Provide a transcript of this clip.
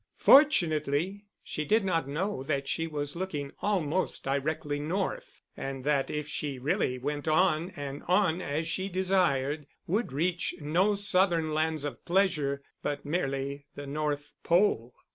Fortunately she did not know that she was looking almost directly north, and that if she really went on and on as she desired, would reach no southern lands of pleasure, but merely the North Pole!